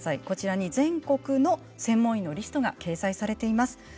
こちらに全国の専門医のリストが掲載されています。